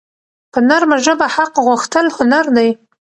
په نرمه ژبه حق غوښتل هنر دی.